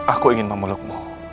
aku ingin memelukmu